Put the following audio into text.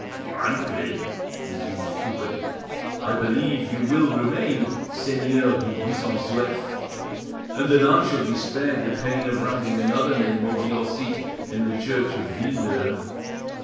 "Frankly," resumed the cure, "I believe you will remain Seigneur du Buisson Souef, and that I shall be spared the pain of writing another name over your seat in the church of Villeneuve."